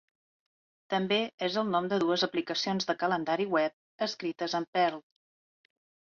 També és el nom de dues aplicacions de calendari web escrites en Perl.